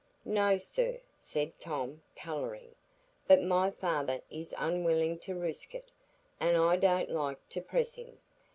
"No, sir," said Tom, colouring; "but my father is unwilling to risk it, and I don't like to press him.